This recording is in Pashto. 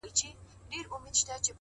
دا ستا چي گراني ستا تصوير په خوب وويني-